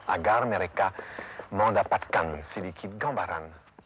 agar mereka mendapatkan sedikit gambaran